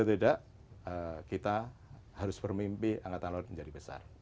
kalau tidak kita harus bermimpi angkatan laut menjadi besar